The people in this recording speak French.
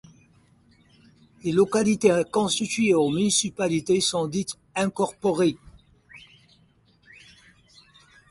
Les localités constituées en municipalités sont dites incorporées.